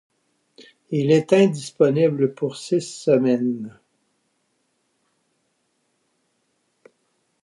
Il est indisponible pour six semaines.